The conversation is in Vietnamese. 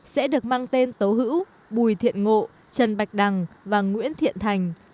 sẽ được mang tên tố hữu bùi thiện ngộ trần bạch đằng và nguyễn thiện thành